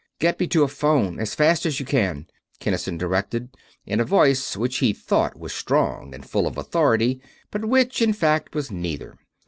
"Get me to a 'phone, as fast as you can," Kinnison directed, in a voice which he thought was strong and full of authority, but which in fact was neither.